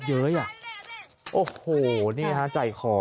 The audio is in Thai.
ก็ได้พลังเท่าไหร่ครับ